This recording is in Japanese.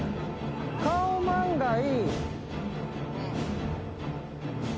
カオマンガイ。